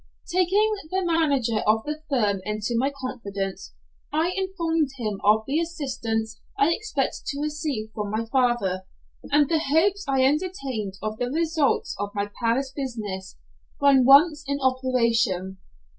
Taking the manager of the firm into my confidence, I informed him of the assistance I expected to receive from my father, and the hopes I entertained of the results of my Paris business when once in operation.